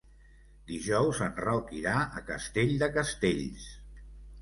Dijous en Roc irà a Castell de Castells.